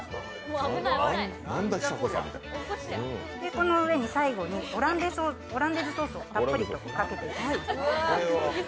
この上に最後にオランデーズソースをたっぷりとかけていきます。